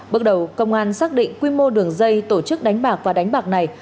bước đầu công an xác định quy mô đường dây tổ chức đánh bạc và đánh bạc này